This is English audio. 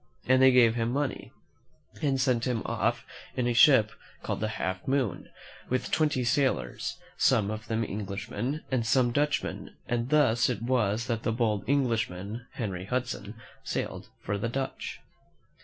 And they gave him money, and sent him off in a ship called the Half Moon, with twenty sailors, some of them Englishmen and some Dutchmen; and thus it was that the bold Englishman, Henry Hudson, sailed for the Dutch.